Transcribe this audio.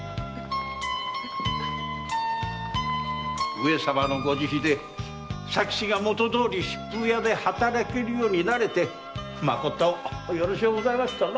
上様の御慈悲で佐吉が元どおり“しっぷう屋”で働けるようになれてまことよろしゅうございましたな。